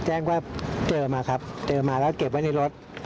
แจ้งว่าเจอมาครับเจอมาแล้วเก็บไว้ในรถ